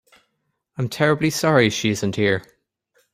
I'm terribly sorry she isn't here.